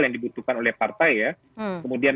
yang dibutuhkan oleh partai ya kemudian